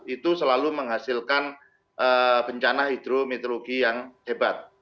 itu selalu menghasilkan bencana hidrometeorologi yang hebat